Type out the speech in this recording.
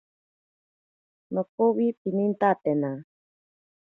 Nokowi pinintatena.